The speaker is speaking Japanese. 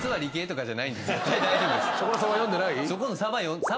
そこのさば読んでない？